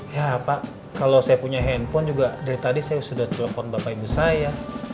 ya pak kalau saya punya handphone juga dari tadi saya sudah telepon bapak ibu saya